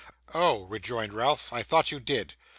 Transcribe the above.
'Oh!' rejoined Ralph, 'I thought you did.